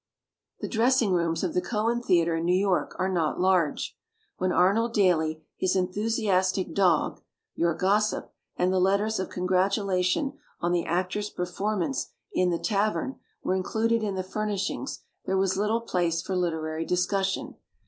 The dressing rooms of the Cohan theatre in New York are not large. When Arnold Daly, his enthusiastic dog. Your Gossip, and the letters of congratulation on the actor's perform ance in "The Tavern" were included in the furnishings, there was little place for literary discussion.